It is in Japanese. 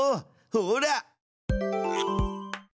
ほら！